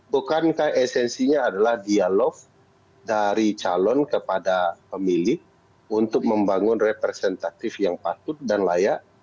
bukankah esensinya adalah dialog dari calon kepada pemilik untuk membangun representatif yang patut dan layak